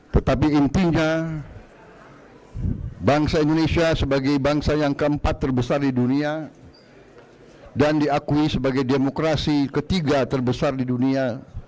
tetapi intinya bangsa indonesia sebagai bangsa yang keempat terbesar di dunia dan diakui sebagai demokrasi ketiga terbesar di dunia